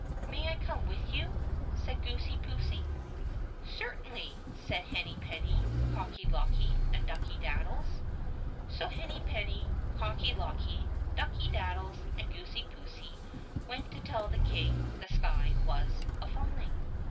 "May I come with you?" said Goosey poosey. "Cer .V HENNY PENNY 217 tainly," said Henny penny, Cocky locky, and Ducky daddies. So Henny penny, Cocky locky, Ducky daddies, and Goosey poosey went to tell the King the sky was a falling.